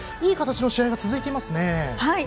いい形の試合が続いていますね。